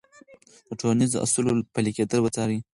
د ټولنیزو اصولو پلي کېدل وڅارئ.